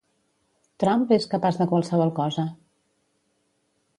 Trump és capaç de qualsevol cosa.